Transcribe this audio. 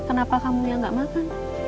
kenapa kamu yang nggak makan